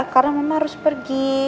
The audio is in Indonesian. karena mama harus pergi